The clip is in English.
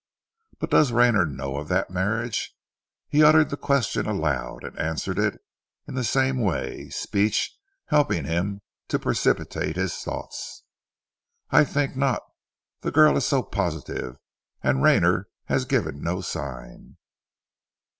"But does Rayner know of that marriage?" He uttered the question aloud, and answered it the same way, speech helping him to precipitate his thoughts. "I think not! The girl is so positive ... and Rayner has given no sign.